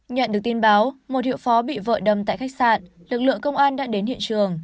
nhận được tin báo một hiệu phó bị vỡ đầm tại khách sạn lực lượng công an đã đến hiện trường